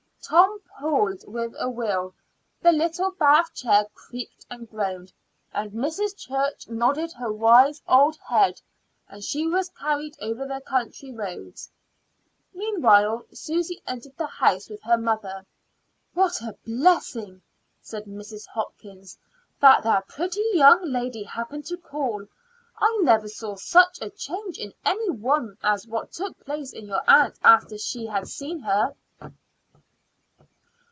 Tom pulled with a will; the little bath chair creaked and groaned, and Mrs. Church nodded her wise old head and she was carried over the country roads. Meanwhile Susy entered the house with her mother. "What a blessing," said Mrs. Hopkins, "that that pretty young lady happened to call! I never saw such a change in any one as what took place in your aunt after she had seen her."